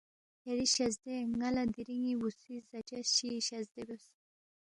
یری شزدے ن٘ا لہ دِرِین٘ی بوسی زاچس چی شزدے بیوس